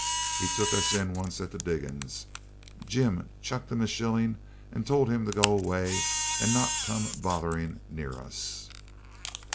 He took us in once at the diggings; Jim chucked him a shilling, and told him to go away and not come bothering near us.